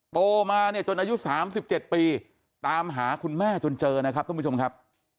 โตมาเนี่ยจนอายุ๓๗ปีตามหาคุณแม่จนเจอนะครับทุกผู้ชมครับ